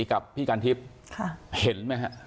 กับพี่กันทิพย์